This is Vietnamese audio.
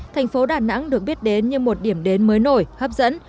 thành phố đà nẵng được biết đến như một điểm đến mới nổi hấp dẫn